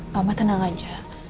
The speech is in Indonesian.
mama tenang aja